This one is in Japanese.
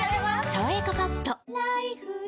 「さわやかパッド」